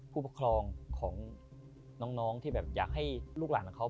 ผู้ปกครองของน้องที่แบบอยากให้ลูกหลานของเขา